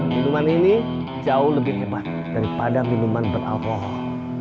minuman ini jauh lebih hebat daripada minuman beralkohol